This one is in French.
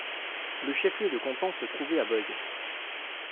Le chef-lieu de canton se trouvait à Boëge.